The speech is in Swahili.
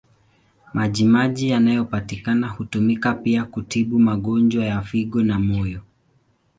Maji maji yanayopatikana hutumika pia kutibu magonjwa ya figo na moyo.